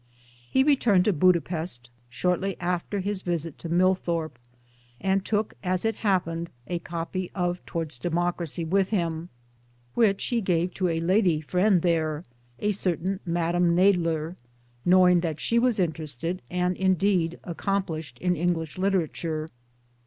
He returned to Buda Pesth shortly after his visit to Millthorpe ; and took as it happened a copy of Towards Democracy with him, which he gave to a lady friend there a certain Madame Nadler know ing that she was interested and indeed accomplished in English literature.